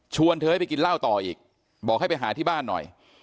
เธอให้ไปกินเหล้าต่ออีกบอกให้ไปหาที่บ้านหน่อย